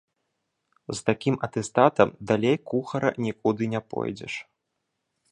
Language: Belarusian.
З такім атэстатам далей кухара нікуды не пойдзеш.